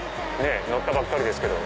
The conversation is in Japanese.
乗ったばっかりですけど。